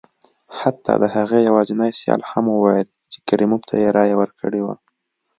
حتی د هغه یوازیني سیال هم وویل چې کریموف ته یې رایه ورکړې وه.